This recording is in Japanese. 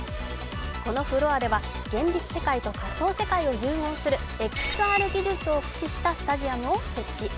このフロアでは現実世界と仮想世界を融合するＸＲ技術を駆使したスタジアムを設置。